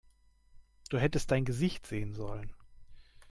Du hättest dein Gesicht sehen sollen!